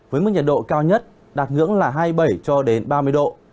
với mức nhiệt độ cao nhất đạt ngưỡng là hai mươi bảy cho đến ba mươi độ